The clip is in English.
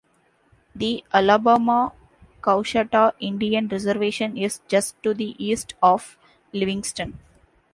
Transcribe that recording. The Alabama-Coushatta Indian Reservation is just to the east of Livingston.